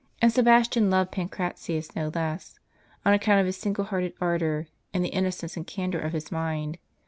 And Sebastian loved Pancratius no less, on account of his single hearted ardor, and the innocence and candor of his mind.